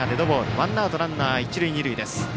ワンアウトランナー、一塁二塁です。